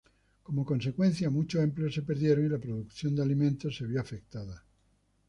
Como consecuencia, muchos empleos se perdieron y la producción de alimentos se vio afectada.